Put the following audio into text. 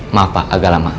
maaf pak agak lama